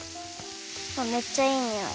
めっちゃいいにおい。